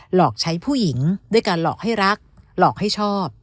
หลอกใช้ผู้หญิงด้วยการหลอกให้รักหลอกให้ชอบ